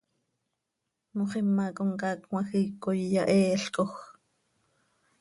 Moxima comcaac cmajiic coi yaheeelcoj.